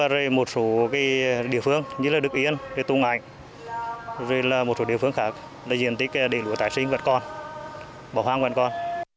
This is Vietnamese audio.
rồi một số địa phương như là đức yên tung anh rồi là một số địa phương khác là diện tích để lúa tái sinh vật con bỏ hoang vật con